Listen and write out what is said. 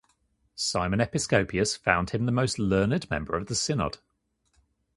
Simon Episcopius found him the most learned member of the synod.